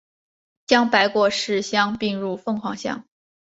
将白果市乡并入凤凰乡。